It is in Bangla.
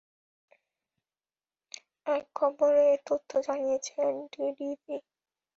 এক খবরে এ তথ্য জানিয়েছে এনডিটিভি।